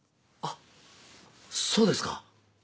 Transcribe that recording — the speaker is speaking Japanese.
あっそうですか。